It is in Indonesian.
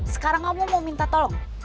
sekarang kamu mau minta tolong